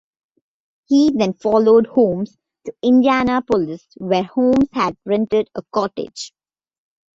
He then followed Holmes to Indianapolis, where Holmes had rented a cottage.